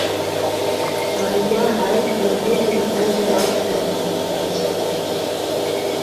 Ааигәа ҳааит ҳәа ргәы дырӷәӷәозар акәхарын, арыцҳақәа.